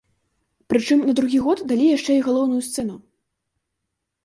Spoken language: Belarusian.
Прычым, на другі год далі яшчэ і галоўную сцэну.